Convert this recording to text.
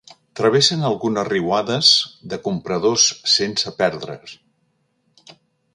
Travessen algunes riuades de compradors sense perdre's.